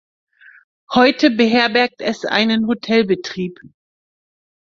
Heute beherbergt es einen Hotelbetrieb.